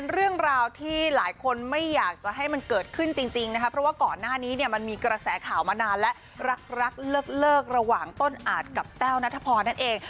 เรื่องราวที่หลายคนไม่อยากจะให้มันเกิดขึ้นจริงนะคะเพราะว่าก่อนหน้านี้เนี่ยมันมีกระแสข่าวมานานและรักเลิกระหว่างต้นอาจกับแต้วนัทพรนั่นเอง